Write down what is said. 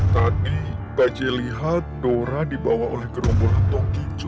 tadi bajaj lihat dora dibawa oleh gerombolan toki cut